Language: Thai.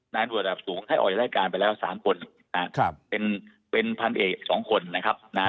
นานบริษัทสูงให้ออกจากรายการไปแล้วสามคนครับ